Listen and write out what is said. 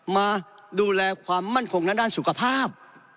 มาดูแลความมั่นคงด้านสุขภาพ